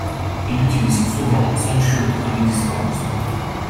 Il utilise souvent son shoot à mi-distance.